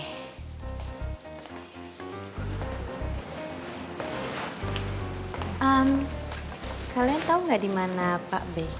ehm kalian tau gak di mana pak be